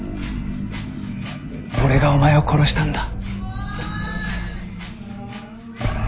俺がお前を殺したんだ。